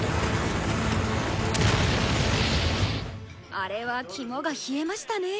あれは肝が冷えましたね。